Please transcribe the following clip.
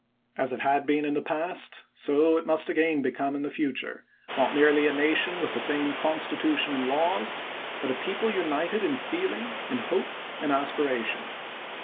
As it had been in the past, so it must again become in the future ■— not merely a nation with the same lses. Constitution and laws, but a people united in feel ing, in hope, in aspiration.